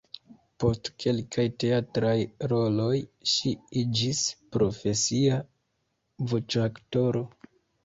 Post kelkaj teatraj roloj ŝi iĝis profesia voĉoaktoro.